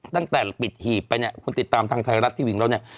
ตั้งแต่ปิดหีบไปเนี่ยคุณติดตามทางไทยรัฐทีวีของเราเนี่ย